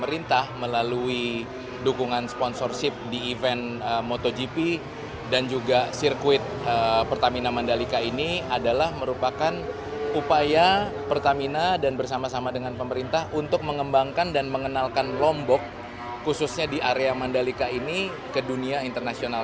pemerintah melalui dukungan sponsorship di event motogp dan juga sirkuit pertamina mandalika ini adalah merupakan upaya pertamina dan bersama sama dengan pemerintah untuk mengembangkan dan mengenalkan lombok khususnya di area mandalika ini ke dunia internasional